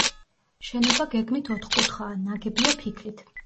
შენობა გეგმით ოთხკუთხაა, ნაგებია ფიქლით.